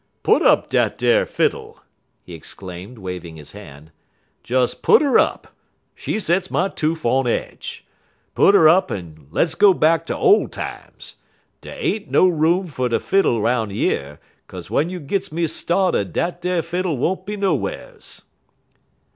"Put up dat ar fiddle!" he exclaimed, waving his hand. "Des put 'er up; she sets my toof on aidje. Put 'er up en les go back ter ole times. Dey ain't no room fer no fiddle 'roun' yer, 'kaze w'en you gits me started dat ar fiddle won't be nowhars."